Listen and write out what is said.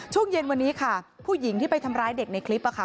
ช่วงเย็นวันนี้ค่ะผู้หญิงที่ไปทำร้ายเด็กในคลิปค่ะ